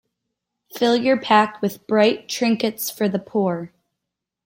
Fill your pack with bright trinkets for the poor.